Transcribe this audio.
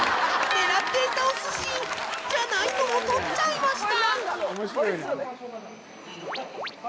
狙っていたお寿司じゃないのを取っちゃいました